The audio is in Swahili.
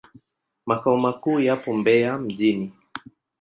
Makao makuu yapo Mbeya mjini.